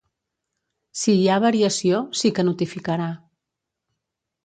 Si hi ha variació sí que notificarà.